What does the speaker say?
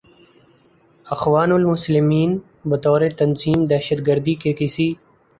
اخوان المسلمین بطور تنظیم دہشت گردی کے کسی